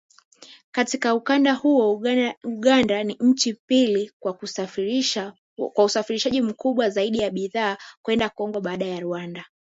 Katika ukanda huo, Uganda ni nchi ya pili kwa usafirishaji mkubwa zaidi wa bidhaa kwenda Kongo baada ya Rwanda